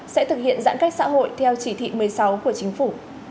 sẽ thực hiện giãn cách xã hội theo chỉ thị một mươi sáu của chính phủ